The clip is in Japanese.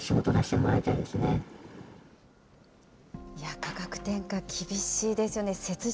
価格転嫁、厳しいですよね。